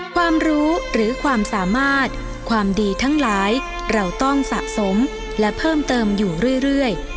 ความรู้หรือความสามารถความดีทั้งหลายเราต้องสะสมและเพิ่มเติมอยู่เรื่อย